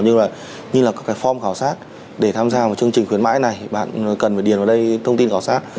như là các cái form khảo sát để tham gia vào chương trình khuyến mãi này bạn cần phải điền vào đây thông tin khảo sát